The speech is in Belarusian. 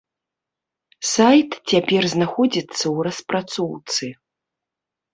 Сайт цяпер знаходзіцца ў распрацоўцы.